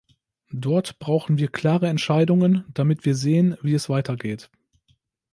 Dort brauchen wir klare Entscheidungen, damit wir sehen, wie es weitergeht.